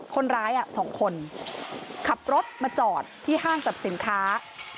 คนร้าย๒คนขับรถมาจอดที่ห้างสรรพสินค้า